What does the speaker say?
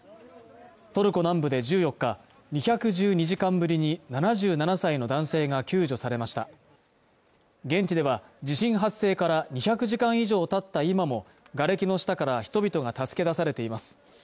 トルコ南部で１４日２１２時間ぶりに７７歳の男性が救助されました現地では地震発生から２００時間以上たった今もがれきの下から人々が助け出されています